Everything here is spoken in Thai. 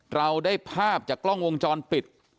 เราได้ภาพจากกล้องวงจรปิด